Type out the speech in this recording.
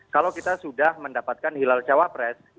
kalau kita sudah mendapatkan hilal cawapres